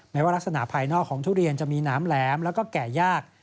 ว่ารักษณะภายนอกของทุเรียนจะมีหนามแหลมแล้วก็แก่ยาก